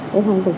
cái phong tục